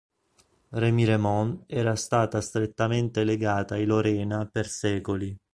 Remiremont era stata strettamente legata ai Lorena per secoli.